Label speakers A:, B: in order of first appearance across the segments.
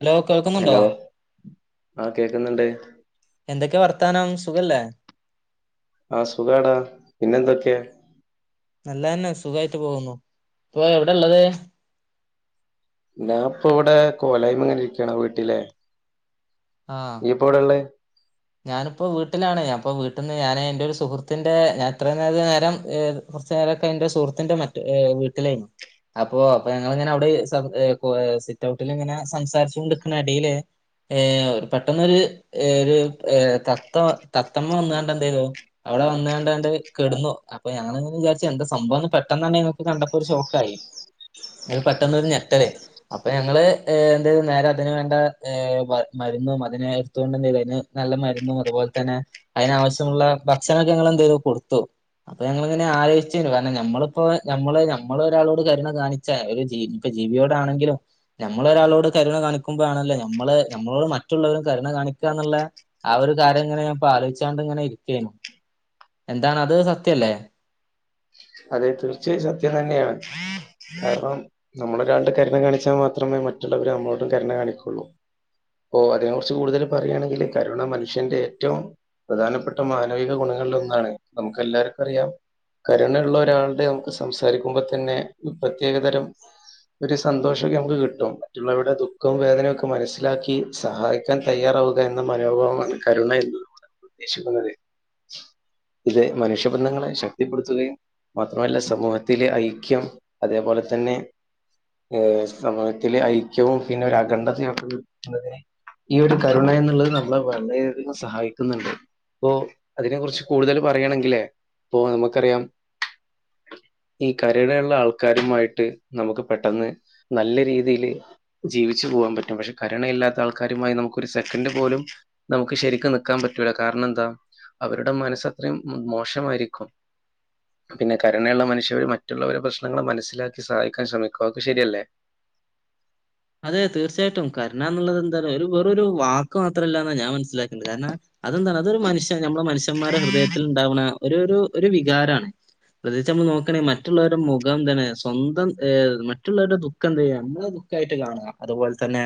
A: Hello കേൾക്കുന്നുണ്ടോ
B: hello ആ കേക്കുന്നുണ്ട്
A: എന്തൊക്കെയാ വർത്താനം സുഖല്ലേ
B: ആ സുഖാടാ പിന്നെന്തൊക്കെയാ
A: നല്ലന്നെ സുഖായിട്ട് പോകുന്നു ഇപ്പൊ എവിടാ ഉള്ളത്
B: ഞാൻ ഇപ്പൊ ഇവിടെ കോലായ്മെ ഇങ്ങനെ ഇരിക്കാണ് വീട്ടിലെ
A: ആഹ്
B: നീ ഇപ്പോ എവിടെയാ ഒള്ളേ
A: ഞാനിപ്പോ വീട്ടിലാണ് ഞാൻഇപ്പൊ വീട്ടിന്ന് ഞാന് എന്റെ ഒരു സുഹൃത്തിന്റെ ഞാൻ ഇത്ര നേരം നേരം ഏ കൊറച്ചു കാലോക്കെ എന്റെ സുഹൃത്തിന്റെ മറ്റ് ഏഹ് വീട്ടിലായിരുന്നു. അപ്പോ അപ്പ ഞങ്ങളിങ്ങന അവിടെ ഈ സൗ ഏഹ് കോ ഏഹ് സിറ്റ് ഔട്ടിൽ ഇങ്ങനെ സംസാരിച്ചു കൊണ്ടിക്കണ എടേല് ഏഹ് പെട്ടെന്നൊരു ഏഹ് ഒര് ഏഹ് തത്ത തത്തമ്മ വന്ന്കണ്ടെന്ത്ചെയ്തു അവിടെ വന്നാണ്ടണ്ട് കെടന്നു അപ്പൊ ഞങ്ങളിങ്ങ് വിചാരിച്ചു എന്താ സംഭവം എന്ന് പെട്ടെന്നു തന്നെ ഞങ്ങക്ക് കണ്ടപ്പൊ ഒരു ഷോക്കായി. ഒരു പെട്ടന്ന് ഒരു ഞെട്ടല് അപ്പൊ ഞങ്ങള് ഏഹ് എന്തുചെയ്തു നേരെ അതിന് വേണ്ട ഏഹ് മര് മ രുന്നും അതിനെ എടുത്തോണ്ടന്ന് അയിന് നല്ല മരുന്നും അതുപോലെ തന്നെ അതിനാവശ്യമൊള്ള ഭക്ഷണൊക്കെ ഞങ്ങളെന്ത്‌ ചെയ്തു കൊടുത്തു. അപ്പൊ ഞങ്ങളിങ്ങനെ ആലോയിച്ചു കാരണം ഞമ്മളിപ്പോ ഞമ്മള് ഞമ്മളൊരാളോട് കരുണ കാണിച്ചാ ഒരു ജീ ഇപ്പ ജീവിയോടാണെങ്കിലും ഞമ്മള് ഒരാളോട് കരുണ കാണിക്കുമ്പയാണല്ലോ ഞമ്മള് ഞമ്മളോട് മറ്റുള്ളവരും കരുണ കാണി ക്കാന്നെള്ള ആ ഒരു കാര്യം ഇങ്ങനെ ഞാനിപ്പൊ ആലോചിച്ചാണ്ടിങ്ങനെ ഇരിക്കുവാരുന്നു എന്താണ് അത് സത്യവല്ലേ
B: അതെ തീർച്ചയായും സത്യം തന്നെയാണ്. കാരണം നമ്മളൊരാൾടെ കരുണ കാണിച്ചാ മാത്രമേ മറ്റുള്ളവര് നമ്മളോടും കരുണ കാണിക്കൊള്ളൂ പ്പോ അതിനെ കുറിച്ച് കൂടുതല് പറയുവാണെങ്കിലെ കരുണ മനുഷ്യന്റെ ഏറ്റവും പ്രധാനപ്പെട്ട മാനവിക ഗുണ ങ്ങളിലൊന്നാണ് നമുക്കെല്ലാർക്കും അറിയാം കരുണ യുള്ള ഒരാൾടെ നമുക്ക് സംസാരിക്കുമ്പോ തന്നെ ഒരു പ്രത്യേകതരം ഒരു സന്തോഷൊക്കെ നമുക്ക് കിട്ടും മറ്റുള്ളവരുടെ ദുഃഖവും വേദനയും ഒക്കെ മനസ്സിലാക്കി സഹായിക്കാൻ തയ്യാറാ വുക എന്ന മനോഭാവമാണ് കരുണയിലൂടെ നമ്മള് ഉദ്ദേശിക്കുന്നത് ഇത് മനുഷ്യബന്ധങ്ങളെ ശക്തിപ്പെടുത്തുകയും മാത്രമല്ല സമൂഹത്തിലെ ഐക്യം അതേപോലെ തന്നെ ഏ സമൂഹത്തിലെ ഐക്യവും പിന്നെ ഒരു അഖണ്ഡതയും ഒക്കെ കൂട്ടുന്നതിന് ഈ ഒരു കരുണ എന്നുള്ളത് നമ്മളെ വളരെയധികം സഹായിക്കുന്നുണ്ട് ഇപ്പൊ അതിനെ കുറിച്ച് കൂടുതല് പറയുവാണെങ്കില് ഇപ്പൊ നമുക്കറിയാം ഈ കരുണയുള്ള ആൾക്കാരുമായിട്ട് നമുക്ക് പെട്ടെന്ന് നല്ല രീതിയില് ജീ വിച്ച് പോകാൻ പറ്റും പക്ഷെ കരുണ ഇല്ലാത്ത ആൾക്കാരുമായി നമുക്ക് ഒരു സെക്കൻ് പോലും നമുക്ക് ശരിക്ക് നിക്കാൻ പറ്റൂല്ല കാ കാരണം എന്താ അവരുടെ മനസ്സ് അത്രയും മോശമായിരിക്കും പിന്നെ കരുണയുള്ള മനുഷ്യര് മറ്റുള്ളവരുടെ പ്രശ്നങ്ങള് മനസ്സിലാക്കി സഹായിക്കാൻ ശ്രമിക്കും അതൊക്കെ ശരിയല്ലേ
A: അതെ തീർച്ചയായിട്ടും കരുണ എന്നുള്ളത് എന്താണ് ഒരു വെറും ഒരു വാക്ക് മാത്രം അല്ലാന്നാ ഞാൻ മനസ്സിലാക്കുന്നത് കാരണം അതെന്താണ് അതൊരു മനുഷ്യ നമ്മെ മനുഷ്യന്മാരുടെ ഹൃദയത്തിൽ ഉണ്ടാവുന്ന ഒരു ഒരു ഒരു വികാരമാണ് പ്രത്യേകിച്ച് നമ്മള് നോക്കണെ മറ്റുള്ളവരുടെ മുഖം എന്താണ് സ്വന്തം മറ്റുള്ളവരുടെ ദുഃഖം എന്ത് ചെയ്യാം നമ്മളുടെ ദുഖമായി ട്ട് കാണുക അതുപോലെ തന്നെ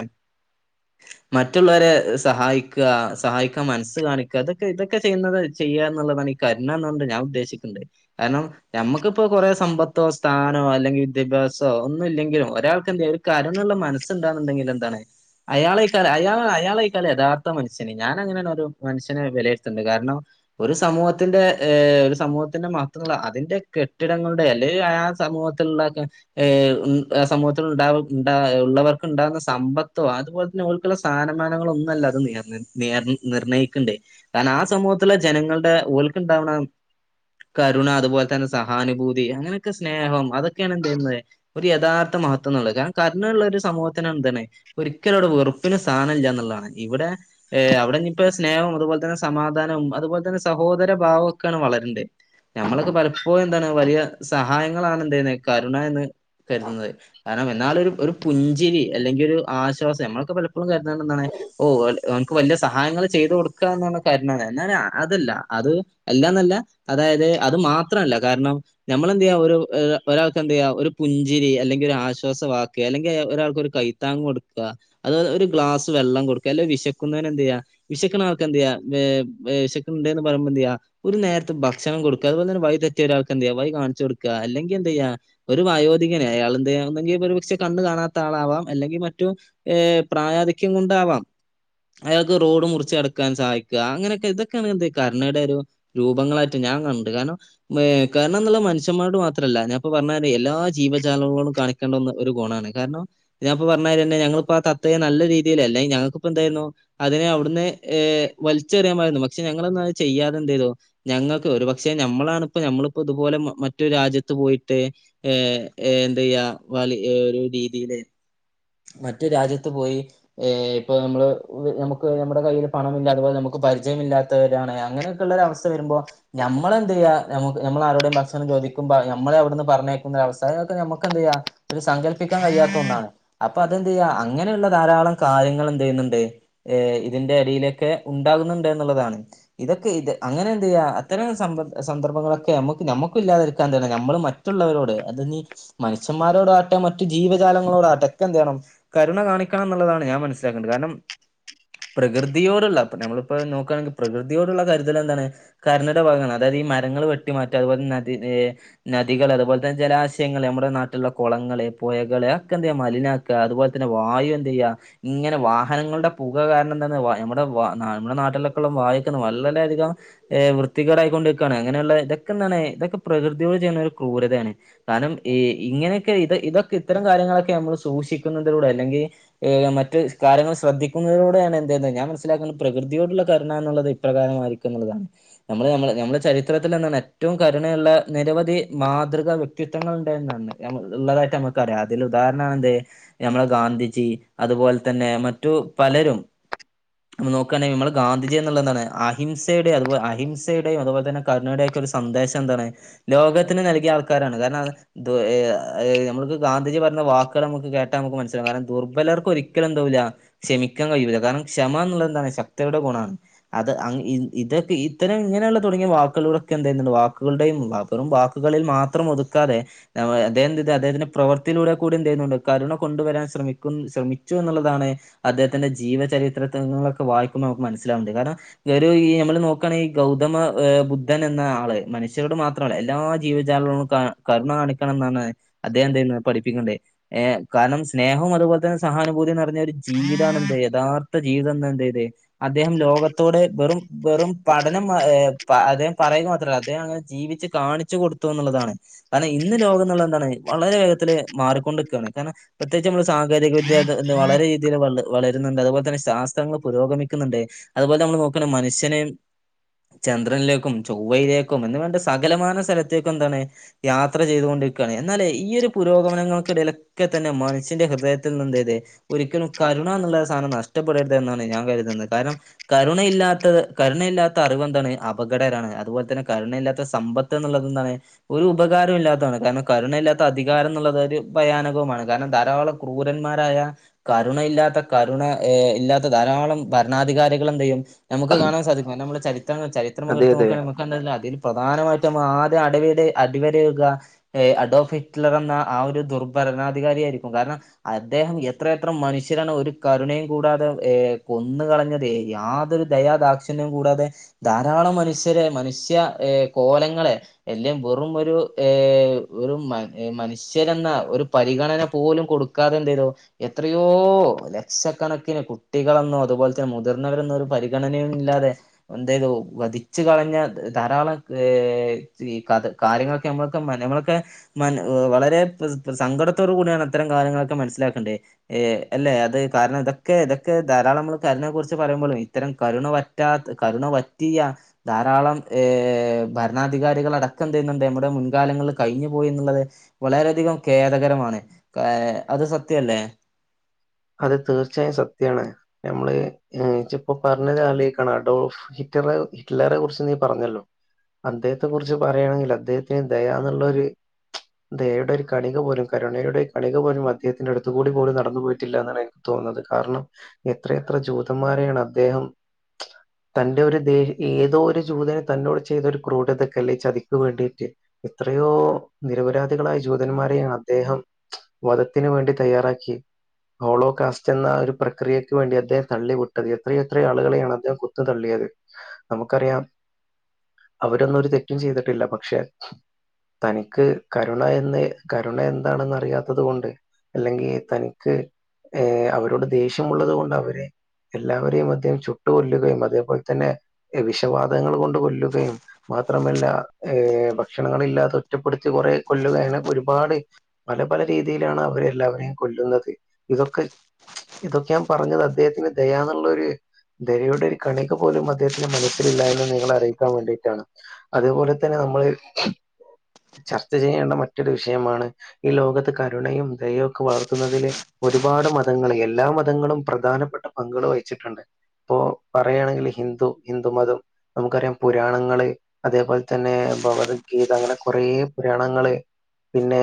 A: മറ്റുള്ളവരെ സഹായിക്കുക സഹായിക്കാൻ മനസ്സ് കാണിക്കുക അതൊക്കെ ഇതൊക്കെ ചെയ്യുന്നത് ചെയ്യാ എന്നുള്ളതാണ് ഈ കരുണ എന്നകൊണ്ട് ഞാൻ ഉദ്ദേശിക്കുന്നത് കാരണം നമ്മുക്കിപ്പോ കുറേ സമ്പത്തോ സ്ഥാന വോ അല്ലെങ്കിൽ വിദ്യാഭ്യാസവോ ഒന്നും ഇല്ലെങ്കിലും ഒരാൾക്ക് എന്തേ ഒരു കരണയുള്ള മനസുണ്ടാന്നുണ്ടെങ്കിൽ എന്താണ് അയാളെക്കാ അയാ അയാളേക്കാലും യഥാർത്ഥ മനുഷ്യന് ഞാനങ്ങനെയാണ് ഒരു മനുഷ്യനെ വിലയിരുത്തുന്നത് കാരണം ഒരു സമൂഹത്തിന്റെ ഒരു സമൂഹത്തിന്റെ മാത്രമല്ല അതിന്റെ കെട്ടിടങ്ങളുടെ അല്ലെങ്കിൽ ആ സ സമൂഹത്തിലുള്ളതൊക്കെ ഏ സമൂഹത്തിൽ ഉണ്ടാവും ഉണ്ട ഉള്ളവർക്ക് ഉണ്ടാകുന്ന സമ്പത്തോ അതുപോലെ തന്നെ ഓർക്കുള്ള സ്ഥാനമാനങ്ങളോ ഒന്നും അല്ല അത് നേ നേ നിർണയിക്കണ്ടേ കാരണം ആ സമൂഹത്തിലെ ജനങ്ങളുടെ ഓൽക്ക് ഇണ്ടാവണ കരുണ അതുപോലെ തന്നെ സഹാനുഭൂതി അങ്ങനെയൊക്കെ സ്നേഹം അതൊ ക്കെയാണ് എന്ത് ചെയ്യുന്നത് ഒരു യഥാർത്ഥ മഹത്വം എന്നുള്ളത് കാ കരുണള്ളവര് സമൂഹത്തിൽ എന്താണ് ഒരിക്കലും അവിടെ വെറുപ്പിന് സ്ഥാനമില്ല എന്നുള്ളതാണ് ഇവിടെ അവിടെ ഇ ഇപ്പോ സ്നേഹം അതുപോലെ തന്നെ സമാ പ്രാനം അതുപോലെ തന്നെ സഹോദര ഭാവഒക്കെയാണ് വളരില്ലേ ഞമ്മളൊക്കെ പലപ്പോഴും എന്താണ് വലിയ സഹായ- എ കരുണ എന്നു കരുതുന്നത് കാരണം എന്നാ ഇഞ്ചിരി അല്ലെങ്കിൽ ഒരു ആശ്വാസം നമ്മളൊക്കെ പലപ്പോഴും കരുതുന്നത് എന്താണ് ഓ ഓൾക്ക്വലിയ സഹായങ്ങൾ ചെയ്ത്- അ അല്ല അ അ കാരണം നമ്മളെന്ത്്യ ഒരാൾക്ക് എന്ത്യ ഒരു പുഞ്ചിരി അല്ലെങ്കിൽ ഒരു ആശ്വാസവാ അല്ലെങ്കിൽ ഒരാൾക്ക്ൊരു കൈത്താങ്ങങ് കൊടുക്കുക അത് ഒരു ഗ്ലാസ് വെള്ളം കൊടുക്കുക അല്ലെ വിശക്കുന്നവന് എന്ത ചെയ്യാ വിശക്കന ആർക്ക് എന്തന്ത് ചെയ്യ വിശക്കണുണ്ടന്ന് പറുമ്പോ എന്ത ചെയ്യ ഒരു നേരത്തെ ഭക്ഷണം കൊടുക്കുക അതുപോലെ തന്നെ തെിയ ഒരാൾക്ക് എന്തെയ്യ കാണിച്ച കൊടുക്കുക അല്ലെങ്കിൽ എന്ത ചെയ്യ ഒരു വയോധികനെ അയാൾ എന്തെങ്ക കണ്ട കാണാത്ത ആളാവാം അല്ലെങ്കിൽ മറ്റു ഏ പ്രായാധിക്യം കൊണ്ടാവാം അയാൾക്ക് റോഡ് മുറിച്ചെടക്കാൻ സഹായിക്കുക അങ്ങനെയൊക്കെ ഇതൊക്കെയാണ് എന്ത കണ്ണയുടെ ഒരു രൂപങ്ങളായിട്ട്ഞ ഞാൻ കണ്ട് കാരണം കാരണം എന്നുള്ള മനുഷ്യന്മാട് മാത്രമല്ല ഞാ പറഞ്ഞ എല്ലാ ജീവജാലങ്ങളോടും കാണിക്കേണ്ട ഒരു ഗുണമാണ് കാരണം ഞാൻപ്പപ്പോ പറഞ്ഞൽ തന്നെ ഞങ്ങിപ്പോ ആ തത്തയെ നല്ല രീതിയിൽ അല്ലെങ്ക ഞങ്ങക്കിപ്പോ എന്തായിരുന്നു അതിനെ അവിടുന്ന് വലിച്ചെറിയാമായിരുന്നു പക്ഷെ ഞങ്ങളാ ചെയ്യാതെന്ത ചെയതോ ഞങ്ങൾക്ക് ഒരു പക്ഷെ ഞമ്മളാണിപ്പോ നഞമ്മളിപ്പോ ഇതുപോലെ മറ്റൊരു രാജ്യത്ത് പോയിട്ട് ഏർ എന്ത്യാ വലി ഒരു രീതിയില് മറ്റ രാജ്യത്ത് പോയി ഏ ഇപ്പൊ നമ്മള് നമുക്ക് നമ്മുടെ കയ്യിൽ പണമില്ല അതുപോലെ നമുക്ക് പരിചയമില്ലാത്തവരാണ് അങ്ങനൊക്ക ഉള്ളര അവസ്ഥ വരുമ്പോൾ നമ്മൾ എന്തന്ത് ചെയ്യ ന നമ്മൾ ആരുടെ ഭക്ഷണം ചോദിക്കുമ്പോ നമ്മളെ അവിടുന്ന് പറഞ്ഞേക്കുന്നര അവസായം ഒക്കെ നമുക്ക് എന്തതു ചെയ്യ ഒരു സങ്കല്പിക്കാൻ കഴിയാത്ത ഒന്നാണ് അപ്പൊ അതെന്ത് ചെയ്യ അങ്ങനെയുള്ള ധാരാളം കാര്യങ്ങൾ എന്ത് ചെയ്യുന്നുണ്ട് ് ഇതിന്റെ അടിയിലൊക്കെ ഉണ്ടാ ുള്ളത ഇതൊക്കെ ഇത് അങ്ങനെ എന്ത് ചെയ്യ അത്തരം സന്ദർഭങ്ങളൊക്കെ ന നമുക്കാ ാ ത നമ്മ മറ്റുള്ളവരോട് അത്ീ മനുഷ്യന്മാരോട ആട്ടെ മറ്റു ജീവജാലങ്ങളോട ആട്ടെ എന്തണം കരുണ കാണിക്കണം എന്നുള്ളതാണ് ഞാൻ മനസ്സിലാക്കേണ്ടത് കാരണം പ്രയോടുള്ളമ്മ നോണെ പ്രയോടുള്ള കരു മ വെട്ടിമാറ്റം അതുപോലെ നദി നദികൾ അതുപോലെ തന്നെ ജലാശയങ്ങൾ നമ്മുടെ നാട്ടിലുള്ള കുളങ്ങളെ പോയ ക്കെ മലിനാക്കുക അതുപോലെ തന്നെ വായു എന്ത ചെയ്യാ ഇങ്ങനെ വാഹനങ്ങളുടെ പുക കാരണംന്തന്നെ നമ്മടെ വ നമ്മുടെ നാട്ടിലൊക്കെളും വായിക്കുന്ന വളരധികം ഹ് വൃത്തികരായിക്ക കൊണ്ട്ിെക്കുവയാണ് അങ്ങനെയുള്ള ഇതൊക്കെന്താണ്െ ഇതൊക്കെ പ്രകൃതിയോട് ചെയ്യുന്ന ഒരു ക്രൂരതയാണ് കാരണം ഇങ്ങനെയൊക്കെ ഇത് ഇതൊക്കെ ഇത്തരം കാര്യങ്ങളൊക്കെ നമ്മൾ സൂക്ഷിക്കുന്നതിലൂടെ അല്ലെങ്കിൽ മറ്റു കാര്യങ്ങൾ ശ്രദ്ധിക്കുന്നതിലൂടെയാണ് എന്ത ഞാൻ മനസ്സിലാക്കുന്നത് പ്രകൃതിയോടുള്ള കരുണ എന്നുള്ളത് ഇപ്രകാരമായിരിക്കുംുള്ളതാണ് നമ്മ നമ്മുടെ ചരിത്രത്തിൽ എന്ത ഏറ്റവും ണ നിരവധി മാതൃക വ്യക്തിത്വങ്ങൾ ഉണ്ട എന്നാണ് ഉള്ളതായിട്ട് നമുക്കറിയാം അതി ഉദാരണ നമ്മളെ ഗാന്ധിജി അതുപോലെ തന്നെ മറ്റു പലരും നമ്മ നോക്കുകയാണെങ്കിൽ നമ്മള് ഗാന്ധിജി എന്നുള്ളതാണ് അഹിംസയുടെയും അ അഹിംസയുടെയും അതുപല തന്നെ കണ്ണടയുടെെ ഒരു സന്ദേശം എന്താണ്. ലോകത്തിന് നൽകിയ ആൾക്കാരാണ്. കാരണം നമ്മക്ക് ഗാന്ധിജി പറ വാക്കുകള് നമക്ക് കേട്ടാ നമുക്ക് മനസ്സിലാവും. കാരണം ദുർബലർക്ക് ഒരിക്കലും ഉണ്ടാവൂല്ല ക്ഷമിക്കാൻ കഴിയൂല. കാരണം ക്ഷമ ന്നുളളതന്താണ് ശക്തരുടെ ഗുണാണ്. അത് അങ്ങ് ഇ ഇതൊക്കെ ഇത്തരം ഇങ്ങനെയുള്ള തുടങ്ങിയ വാക്കുകളോടൊക്കെ എന്തായിരുന്നുണ്ടാവും വാക്കുകളുടെയും വെറും വാക്കുകളിൽ മാത്രം ഒതുക്കാതെ അദ്ദേഹം [unintelligible] അദ്ദേഹത്തിൻ്റെ പ്രവർ ത്തിലൂടെ കൂടി എന്ത് ചെയ്യുന്നുണ്ട്. കരുണ കൊണ്ടുവരാൻ ശ്രമിക്കു ശ്രമിച്ചു എന്നുള്ളതാണ് അദ്ദേഹത്തിന്റെ ജീവചരിത്ര ത്രങ്ങളൊക്കെ വായിക്കുമ്പോ നമുക്ക് മനസ്സിലാവണ്ട്. കാരണം ഗരു ഈ നമ്മള് നോക്കാണെ ഗൗതമ ബുദ്ധൻ എന്ന ആള് മനുഷ്യരോട് മാത്രമല്ല എല്ലാ ജീവജാലങ്ങളോടും ക കരുണ കാണിക്കണന്നറഞ്ഞ് അദ്ദേഹം എന്തെയ്യുന്ന് കാരണം സ്നേഹം അതുപോലെ തന്നെ സഹാനുഭൂതിന്ന് പറഞ്ഞ ഒരു ജീവിതമാണ് എന്ത് യഥാർത്ഥ ജീവിതന്ന് എന്തെയ്തേ അദ്ദേഹം ലോകത്തോടെ വെറും വെറും പഠനം മാ പ അദ്ദേഹം പറയുക മാത്രല്ല അദ്ദേഹം അങ്ങനെ ജീവിച്ച് കാണിച്ചു കൊടുത്തു എന്നുള്ളതാണ്. കാരണം ഇന്ന് ലോകം എന്നുള്ളത് എന്താണ് വളരെ വേഗ ത്തില് മാറിക്കൊണ്ട് നിക്കാണ്. കാരണം പ്രത്യേകിച്ച് നമ്മള് സാങ്കേതികവിദ്യ എന്ത് വളരെ രീതിയില് വള വള രുന്നുണ്ട്. അതുപോലെ തന്നെ ശാസ്ത്രങ്ങൾ പുരോഗമിക്കുന്നുണ്ട്. അതുപോലെ നമ്മൾ നോക്കാണെ മനുഷ്യനെ ചന്ദ്രനിലേക്കും ചൊവ്വയിലേക്കും എന്ന് വേണ്ട സകലമാന സ്ഥലത്തേക്കും എന്താണ് യാത്ര ചെയ്തുകൊണ്ട് രിക്കാണ് എന്നാലേ ഈയൊരു പുരോഗമനങ്ങൾക്കിടയിലൊക്കെ തന്നെ മനുഷ്യന്റെ ഹൃദയത്തിൽ നിന്നെന്താ ചെയ്തേ ഒരിക്കലും കരുണ എന്നുള്ള സാനം നഷ് ടപ്പെടരുത് എന്നാണ് ഞാൻ കരുതുന്നത്. കാരണം കരുണയില്ലാത്തത് കരുണയില്ലാത്ത അറിവ് എന്താണ് അപകടകരാണ്. അതുപോലെ തന്നെ കരുണ ഇല്ലാത്ത സമ്പത്ത് എന്നുള്ളതെന്താണ് ഒരു ഉപകാരം ഇല്ലാത്തതാണ്. കാരണം കരുണ ഇല്ലാത്ത അധി കാരം എന്നുള്ളത് ഒരു ഭയാനകവുമാണ്. കാരണം ധാരാളം ക്രൂരന്മാരായ കരുണ ഇല്ലാത്ത കരുണ ഇല്ലാത്ത ധാരാളം ഭരണാധികാരികള് എന്തു ചെയ്യും നമുക്ക് കാണാൻ സാധിക്കും നമ്മള് ചരിത്രങ്ങൾ ചരിത്രം
B: അതെ
A: എടുത്തു
B: അതെ
A: നോക്കാണെ നമുക്ക് അതില് പ്രധാനമായിട്ട് നമ്മ ആ അടെവെടെ അടിവരയിടുക അഡോഫി ഹിറ്റ്ലർ എന്ന ആ ഒരു ദുർഭരണാധികാരിയായിരിക്കും. കാരണം അദ്ദേഹം എത്ര എത്ര മനുഷ്യരാണ് ഒരു കരുണ കൂടാതെ കൊന്ന് കളഞ്ഞതേ. യാതൊരു ദയാദാക്ഷണ്യവും കൂടാതെ ധാരാളം മനു ഷ്യരെ മനുഷ്യ കോലങ്ങളെ എല്ലാം വെറും ഒരു ഏഹ് വെറും മ മനുഷ്യരെന്ന ഒരു പരിഗണന പോലും കൊടുക്കാതെ എന്തു ചെയ്തു. എത്രയോ ലക്ഷ കണക്കിന് കുട്ടികളെന്നോ അതുപോലെ തന്നെ മുതിർന്നവരെന്നോ ഒരു പരിഗണനയും ഇല്ലാതെ എന്തുചെയ്തു വധി വച്ച് കളഞ്ഞ ധാരാളം ഏഹ് ഈ കഥ കാര്യങ്ങളൊക്കെ നമ്മളൊക്കെ മന നമ്മളൊക്കെ മന വളരെ സങ്കടത്തോട് കൂടിയാണ് അത്തരം കാര്യങ്ങളൊക്കെ മനസ്സിലാക്കണ്ടേ ഏഹ് അല്ലെ അത് കാരണം ഇതൊക്കെ ഇതൊക്കെ ധാരാളം നമ്മൾ കരുണയെ കുറിച്ച് പറയുമ്പോളും ഇത്തരം കരുണ വറ്റാത്ത കരുണ വറ്റിയ ധാരാളം ഭരണാധികാരികൾ അടക്കം എന്ത് ചെയ്യുന്നുണ്ട് നമ്മുടെ മുൻകാലങ്ങളിൽ കഴിഞ്ഞു പോയി എന്നുള്ളത് വളരെ അധികം ഖേദകരമാണ് അത് സത്യല്ലേ.
B: അത് തീർച്ചയായും സത്യാണ്. നമ്മളെ ഇജ്ജ് ഇപ്പോ പറഞ്ഞതാലോചിക്കാണ് അഡോ റ്ററ് ഹിറ്റ്ലറെ കുറിച്ച് നീ പറഞ്ഞല്ലോ. അദ്ദേഹത്തെ കുറിച്ച് പറയുകയാണെങ്കിൽ അദ്ദേഹത്തിന് ദയാന്നുള്ളൊരു ദയയുടെ ഒരു കണിക പോലും കരുണയുടെ കണിക പോലും അദ്ദേഹത്തിന്റെടുത്തുകൂടി പോലും നടന്നു പോയി ട്ടില്ല എന്നാണ് എനിക്ക് തോന്നുന്നത്. കാരണം എത്രയെത്ര ജൂതന്മാരെയാണ് അദ്ദേഹം തൻ്റെ ഒരു ദേ ഏതോ ഒരു ജൂതനെ തന്നോടെ ചെയ്ത ഒരു ക്രൂരതക്കല്ലെ ചതിക്കു വേണ്ടിട്ട് എത്രയോ നിരപരാധികളായ ജൂതന്മാരെയാണ് അദ്ദേഹം വധത്തിന് വേണ്ടി തയ്യാറാക്കി ഹോളോ കാസ്റ്റ് എന്ന ഒരു പ്രക്രിയയ്ക്കു വേണ്ടി അദ്ദേഹം തള്ളി വിട്ടത്. എത്രയ എത്ര ആളുകളെയാണ് അദ്ദേഹം കൊന്നു തള്ളിയത്. നമുക്കറിയാം അവരൊന്നൊരു തെറ്റും ചെയ്തിട്ടില്ല പക്ഷേ തനിക്ക് കരുണയെന്ന് കരുണ എന്താണെന്ന് അറിയാത്തത് കൊണ്ട് അല്ലെങ്കി തനിക്ക് ഏഹ് അവരോട് ദേഷ്യമുള്ളത് കൊണ്ട് അവരെ എല്ലാവരേയും അദ്ദേഹം ചുട്ടു കൊല്ലുകയും അതേപോല് തന്നെ ഏഹ് വിഷവാതകങ്ങള് കൊണ്ട് കൊല്ലുകയും മാത്രമല്ല ഏഹ് ഭക്ഷണങ്ങളില്ലാതെ ഒറ്റപ്പെടുത്തി കൊ കൊറേ കൊല്ലുകയാണ് ഒരുപാട് പല പല രീതിയിലാണ് അവര് എല്ലാവരേയും കൊല്ലുന്നത് ഇതൊക്കെ ഇതൊക്കെ ഞാൻ പറഞ്ഞത് അദ്ദേഹത്തിന് ദയാന്ന്ള്ളൊര് ദയയുടെ ഒരു കണിക പോലും അദ്ദേഹത്തിന്റെ മനസ്സിലില്ലാ എന്ന് നിങ്ങളെ അറിയിക്കാ വേണ്ടിട്ടാണ്. അതുപോലെ തന്നെ അമ്മള് ചർച്ച ചെയ്യേണ്ട മറ്റൊരു വിഷയമാണ് ഈ ലോകത്ത് കരുണയും ദയൊക്കെ വളർത്തുന്നതില് ഒരുപാട് മതങ്ങള് എല്ലാ മതങ്ങളും പ്രധാനപ്പെട്ട പങ്കള് വഹിച്ച്ട്ടുണ്ട്. ഇപ്പോ പറയാണെങ്കില് ഹിന്ദു ഹിന്ദുമതം നമുക്കറിയാം പുരാണങ്ങള് അതേപോല് തന്നെ ഭവത്ഗീത അങ്ങനെ കൊറേ പുരാണങ്ങള് പിന്നേ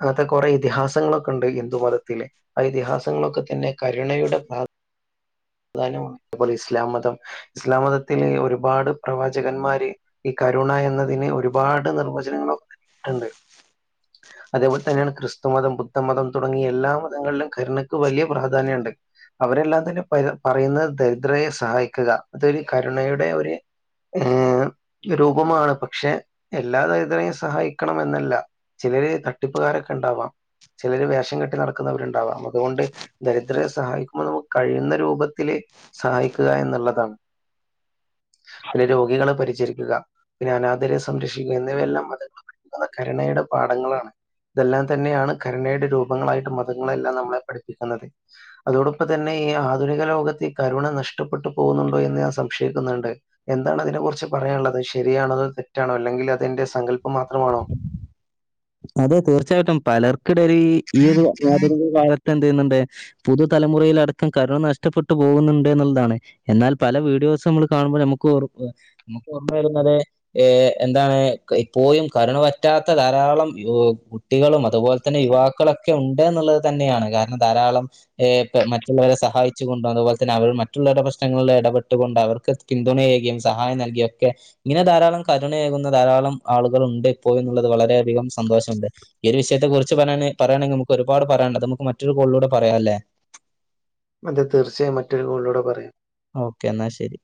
B: അങ്ങത്തെ കൊറേ ഇതിഹാസങ്ങളൊക്കണ്ട് ഹിന്ദു മത ത്തില് ആഹ് ഇതിഹാസങ്ങളൊക്കെ തന്നെ കരുണയുടെ പ്രാ [unintelligible] പോലെ ഇസ്ലാം മതം ഇസ്ലാം മതത്തില് ഒരുപാട് പ്രവാചകന്മാര് ഈ ക കരുണ എന്നതിന് ഒരുപാട് നിർവചനങ്ങളൊ [inaudible] അതേപോല് തന്നേണ് ക്രിസ്തുമതം, ബുദ്ധമതം തുടങ്ങിയ എല്ലാ മതങ്ങള്ലും കരുണക്ക് വല്ല്യ പ്രാധാന്യണ്ട് അവരെല്ലാം തന്നെ പര പറയുന്നത് ദരിദ്രയെ സഹായിക്ക്ക അതൊരു കരുണയുടെ ഒര് ഏഹ് ഈ രൂപമാണ് പക്ഷെ എല്ലാ ദരിദ്രരേയും സഹായിക്കണം എന്നല്ല ചിലര് തട്ടിപ്പ്കാരൊക്കണ്ടാവാം ചിലര് വേഷം കെട്ടി നടക്കുന്നവരുണ്ടാവാം അത്കൊണ്ട് ദരിദ്രരെ സഹായിക്കുമ്പോ നമ്മക്ക് കഴിയുന്ന രൂപ ത്തില് സഹായിക്കുകാ എന്ന്ള്ളതാണ് പിന്നെ രോഗികളെ പരിചരിക്കുക പിന്നെ അനാദരെ സംരക്ഷിക്ക എന്നിവയെല്ലാം മത [inaudible] കരുണയുടെ പാഠങ്ങളാണ് ഇതെല്ലാം തന്നെയാണ് കരുണയുടെ രൂപങ്ങളായിട്ട് മതങ്ങളെല്ലാം നമ്മളെ പഠിപ്പിക്കുന്നത് അതോടൊപ്പം തന്നെ ഈ ആ ആധുനിക ലോകത്ത് കരുണ നഷ്ടപ്പെട്ടു പോകുന്നുണ്ടോ എന്ന് ഞാൻ സംശയിക്കുന്നുണ്ട് എന്താണ് അതിനെ കുറിച്ച് പറയാനുള്ളത് ശരിയാണോ? അതോ തെറ്റാണോ അല്ലെങ്കിൽ അതിന്റെ സങ്കല്പം മാത്രമാണോ?
A: അതെ തീർച്ചയായിട്ടും പലർക്കിടൽ ഈ ഒരു ആധുനിക കാലത്ത് ചെയ്യുന്നുണ്ട് പുതുതലമുറയിൽ അടക്കം കരുണ നഷ്ടപ്പെട്ടു പോകുന്നുണ്ട് എന്നുള്ളതാണ് എന്നാൽ പല വീട് ദിവസം നമ്മൾ കാണുമ്പോ നു നമക്ക് ഓർമ്മ വരുന്നത് എന്താണ് ഇപ്പോഴും കരണ വറ്റാത്ത ധാരാളം കുട്ടികളും അതുപോലെ തന്നെ യുവാക്കളൊക്കെ ഉണ്ട് എന്നുള്ളത് തന്നെയാണ് കാരണം ധാരാളം ഏഹ് മറ്റുള്ളവരെ സഹായിച്ചുകൊണ്ടും അതുപോലെ തന്നെ അവർ മറ്റുള്ളവടെ പ്രശ്നങ്ങളിൽ ഇടപെട്ടുകൊണ്ട് അവർക്ക് പിന്തുണ ഏകിയും സഹായം നൽകിയ ഒക്കെ ഇങ്ങനെ ധാരാളം കരുണയേകുന്ന ധാരാളം ആളുകൾ ഉണ്ട് ഇപ്പോ എന്നുള്ളത് വളരെയധികം സന്തോഷമണ്ട് ഈ ഒരു വിയത്തെ കുറിച്ച് പറയാ പറയയാണെങ്കിൽ നമുക്ക് ഒരുപാട് പറയാനുണ്ടത് നമുക്ക് മറ്റൊരു കോളിലൂടെ പറയാല്ലേ
B: അതെ തീർച്ചയായും മറ്റൊരു കോളിലൂടെ പറയാം
A: ഓക്കെ എന്നാ ശരി